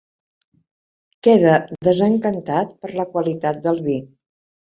Queda desencantat per la qualitat del vi.